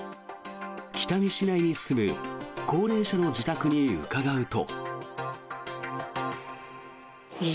北見市内に住む高齢者の自宅に伺うと。